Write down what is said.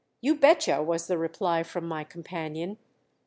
"You betcha!" was the reply from my companion.